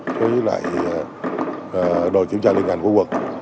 với loại đồ kiểm tra liên hành của quận